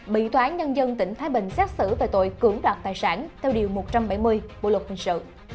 bị thoáng nhân dân tỉnh thái bình xét xử tội tội cưỡng đoạt tài sản theo điều một trăm bảy mươi bộ luật hình sự